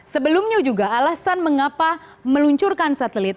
sebelumnya juga alasan mengapa meluncurkan satelit